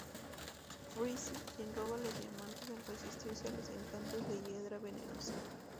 Freeze quien roba los diamantes al resistirse a los encantos de Hiedra Venenosa.